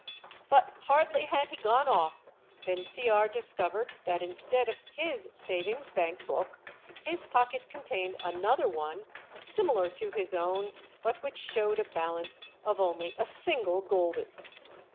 But hardly had he gone off than Cr... discovered that instead of his savings bank book his pocket contained another one, similar to his own, but which showed a balance of only a single gulden.